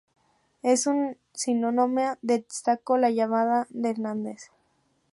En su nómina destacó el llamado de Hernández.